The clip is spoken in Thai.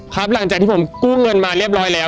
ครับหลังจากที่ผมกู้เงินมาเรียบร้อยแล้ว